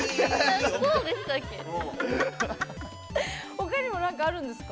他にもあるんですか？